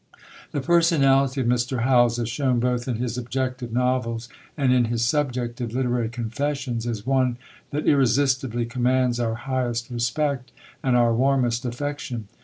The personality of Mr. Howells, as shown both in his objective novels and in his subjective literary confessions, is one that irresistibly commands our highest respect and our warmest affection.